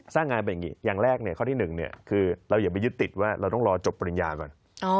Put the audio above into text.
สร้างงานเป็นอย่างนี้อย่างแรกข้อที่๑คือเราอย่าไปยึดติดว่าเราต้องรอจบปริญญาก่อน